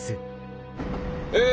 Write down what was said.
え